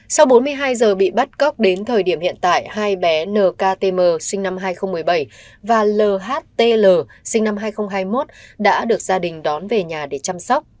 sau bốn mươi hai giờ bị bắt cóc đến thời điểm hiện tại hai bé nktm sinh năm hai nghìn một mươi bảy và lhtl sinh năm hai nghìn hai mươi một đã được gia đình đón về nhà để chăm sóc